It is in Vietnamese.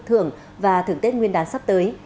thưởng và thưởng tết nguyên đán sắp tới